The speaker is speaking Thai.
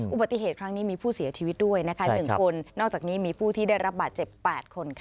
อุบัติเหตุครั้งนี้มีผู้เสียชีวิตด้วย๑คนนอกจากนี้มีผู้ที่ได้รับบาดเจ็บ๘คน